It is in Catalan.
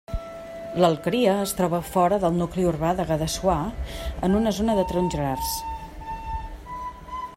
L'alqueria es troba fora del nucli urbà de Guadassuar, en una zona de tarongerars.